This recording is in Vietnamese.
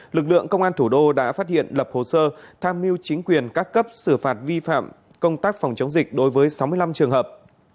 lực lượng công an thủ đô đã phát hiện lập hồ sơ tham mưu chính quyền các cấp xử phạt vi phạm công tác phòng chống dịch đối với sáu mươi năm trường hợp